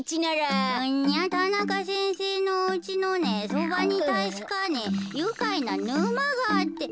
いやたなかせんせいのおうちのねそばにたしかねゆかいなぬまがあって。